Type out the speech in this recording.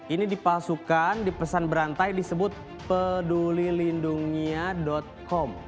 ini dipalsukan dipesan berantai disebut pedulilindungia com